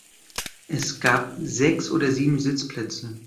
Es gab sechs oder sieben Sitzplätze.